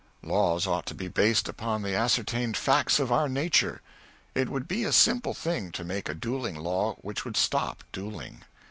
Laws ought to be based upon the ascertained facts of our nature. It would be a simple thing to make a duelling law which would stop duelling.